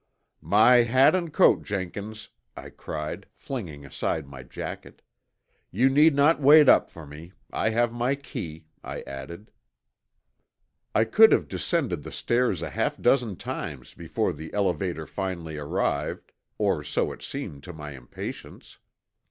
"My hat and coat, Jenkins," I cried, flinging aside my jacket. "You need not wait up for me. I have my key," I added. I could have descended the stairs a half dozen times before the elevator finally arrived, or so it seemed to my impatience.